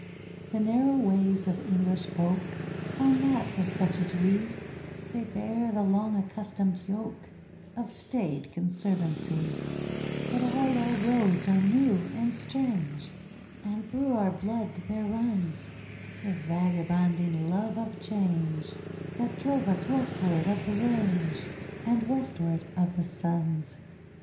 The narrow ways of English folk Are not for such as we; They bear the long accustomed yoke Of staid conservancy: But all our roads are new and strange, And through our blood there runs The vagabonding love of change That drove us westward of the range And westward of the suns.